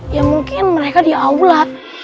ya mungkin mereka di aulat